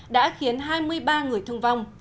đã khiến hai mươi ba người thương vong